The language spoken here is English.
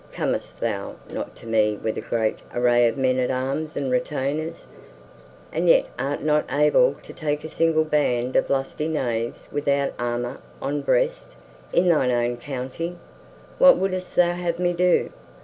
Comest thou not to me with a great array of men at arms and retainers, and yet art not able to take a single band of lusty knaves without armor on breast, in thine own county! What wouldst thou have me do?